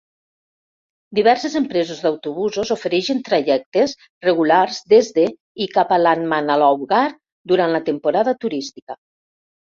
Diverses empreses d'autobusos ofereixen trajectes regulars des de i cap a Landmannalaugar durant la temporada turística.